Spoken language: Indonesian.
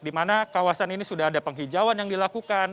di mana kawasan ini sudah ada penghijauan yang dilakukan